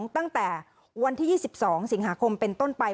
ตั้งแต่วันที่๒๒สิงหาคมเป็นต้นไป